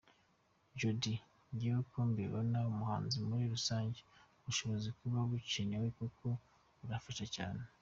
Jody : Njyewe uko mbibona, umuhanzi muri rusange, ubushobozi buba bukenewe kuko burafasha cyane.